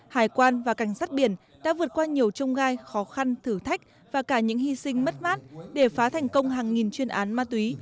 hải quan và cảnh sát biển đã vượt qua nhiều trung gai khó khăn thử thách và cả những hy sinh mất mát để phá thành công hàng nghìn chuyên án ma túy